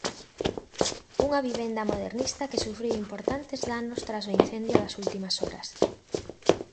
Unha vivenda modernista que sufriu importantes danos tras o incendio das últimas horas.